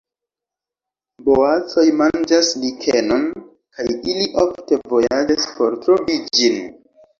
Boacoj manĝas likenon kaj ili ofte vojaĝas por trovi ĝin.